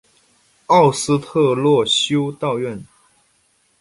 奥斯特洛修道院。